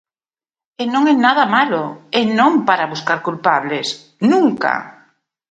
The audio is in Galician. E non é nada malo, e non para buscar culpables, ¡nunca!